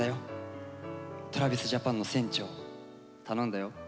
ＴｒａｖｉｓＪａｐａｎの船長頼んだよ。